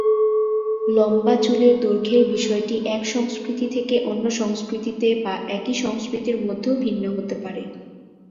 লম্বা চুলের দৈর্ঘ্যের বিষয়টি এক সংস্কৃতি থেকে অন্য সংস্কৃতিতে বা একই সংস্কৃতির মধ্যেও ভিন্ন হতে পারে।